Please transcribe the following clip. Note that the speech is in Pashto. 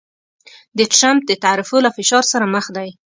د ټرمپ د تعرفو له فشار سره مخ دی